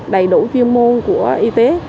đầy đủ chuyên môn của y tế